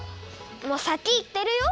もうさきいってるよ！